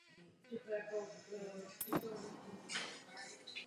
Řeka ústí do Jaderského moře.